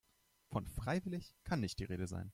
Von freiwillig kann nicht die Rede sein.